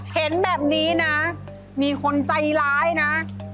เห็นแบบนี้นะมีคนใจร้ายนะ